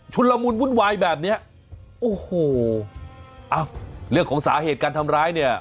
ละมุนวุ่นวายแบบเนี้ยโอ้โหอ้าวเรื่องของสาเหตุการทำร้ายเนี่ย